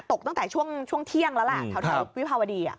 ตกตั้งแต่ช่วงเที่ยงแล้วแหละแถววิภาวดี